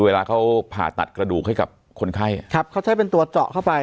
เวลาเขาผ่าตัดกระดูกให้กับคนไข้ครับเขาใช้เป็นตัวเจาะเข้าไป